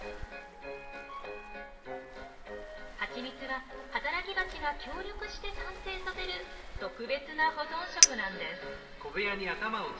ハチミツは働きバチが協力して完成させる特別な保存食なんです。